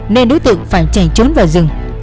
nên đối tượng phải chạy trốn vào rừng